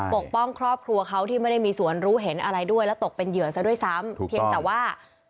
ปกป้องครอบครัวเขาที่ไม่ได้มีส่วนรู้เห็นอะไรด้วยและตกเป็นเหยื่อซะด้วยซ้ำเพียงแต่ว่า